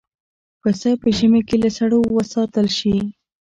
پسه په ژمي کې له سړو وساتل شي.